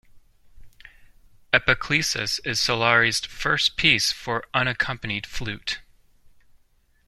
Epiclesis is Solare's first piece for unaccompanied flute.